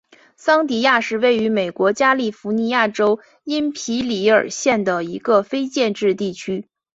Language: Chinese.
桑迪亚是位于美国加利福尼亚州因皮里尔县的一个非建制地区。